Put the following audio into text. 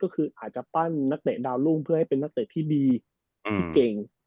ก็คืออาจจะปั้นนักเตะดาวรุ่งเพื่อให้เป็นนักเตะที่ดีที่เก่ง